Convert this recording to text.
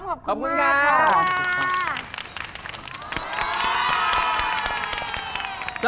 ขอบคุณมากค่ะ